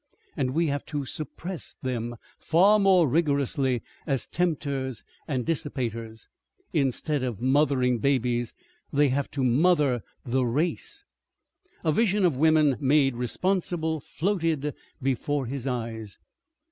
And we have to suppress them far more rigorously as tempters and dissipaters. Instead of mothering babies they have to mother the race...." A vision of women made responsible floated before his eyes.